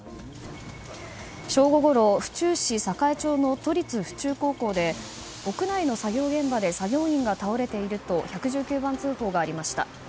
正午ごろ、府中市栄町の都立府中高校で屋内の作業現場で作業員が倒れていると１１９番通報がありました。